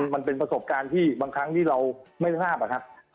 มันเป็นประสบการณ์ที่บางครั้งที่เราไม่ทราบอะครับ